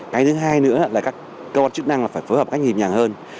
cái thứ hai nữa là các cơ quan chức năng phải phối hợp cách nhịp nhàng hơn